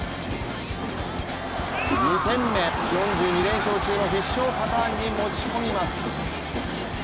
連勝中の必勝パターンに持ち込みます。